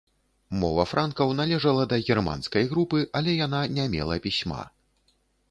Мова франкаў належала да германскай групы, але яна не мела пісьма.